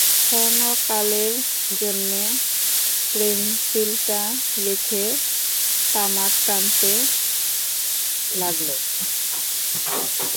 ক্ষণকালের জন্যে পেনসিলটা রেখে তামাক টানতে লাগল।